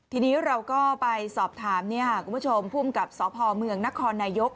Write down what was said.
ทีนี้เราก็ไปสอบถามคุณผู้ชมภูมิกับสพเมืองนครนายก